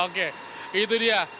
oke itu dia